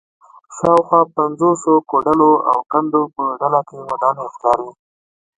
شاوخوا پنځوسو کوډلو او کندو په ډله کې ودانۍ ښکاري